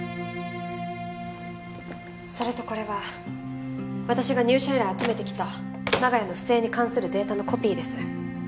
それとこれは私が入社以来集めてきた長屋の不正に関するデータのコピーです。